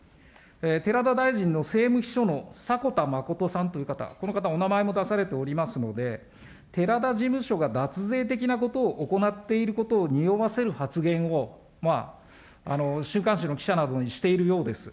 寺田大臣の政務秘書のさこたまことさんという方、この方、お名前も出されておりますので、寺田事務所が脱税的なことを行っていることをにおわせる発言を週刊誌の記者などにしているようです。